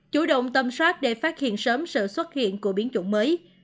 chủ động tâm soát để phát hiện sớm sự xuất hiện của biến chủng mới